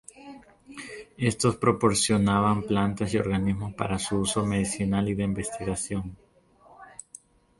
Estos proporcionaban plantas y organismos para uso medicinal y de investigación.